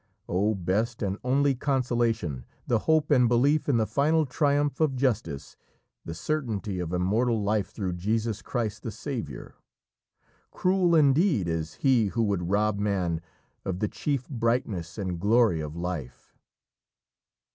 O best and only consolation, the hope and belief in the final triumph of justice, the certainty of immortal life through Jesus Christ the Saviour! Cruel indeed is he who would rob man of the chief brightness and glory of life!